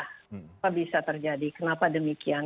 kenapa bisa terjadi kenapa demikian